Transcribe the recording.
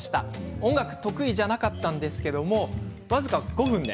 音楽は得意じゃなかったんですが僅か５分で。